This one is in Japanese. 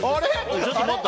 ちょっと待った。